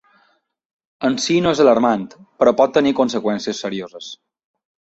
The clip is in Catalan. En si no és alarmant, però pot tenir conseqüències serioses.